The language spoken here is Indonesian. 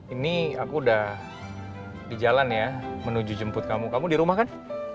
ini aku udah di jalan ya menuju jemput kamu kamu di rumah kan